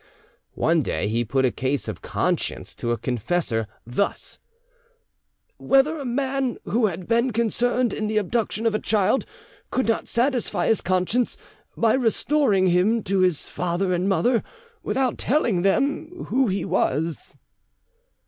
One day he put a case of conscience to a confessor, thus: "Whether a man who had been concerned in the abduction of a child could not satisfy his conscience by restoring him to his father and mother without telling them who he was?"